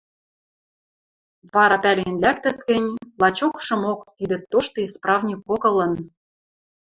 Вара пӓлен лӓктӹт гӹнь, лачокшымок тидӹ тошты исправникок ылын.